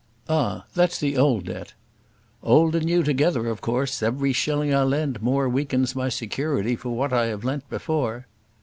"Ah! that's the old debt." "Old and new together, of course; every shilling I lend more weakens my security for what I have lent before."